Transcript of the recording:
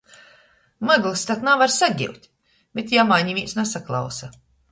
"Myglys tak navar sagiut!" Bet jamā nivīns nasaklausa.